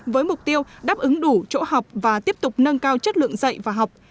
với mục tiêu đáp ứng đủ chỗ học và tiếp tục nâng cao chất lượng dạy và học